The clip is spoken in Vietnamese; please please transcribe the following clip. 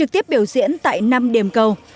điều diễn tại năm điểm cầu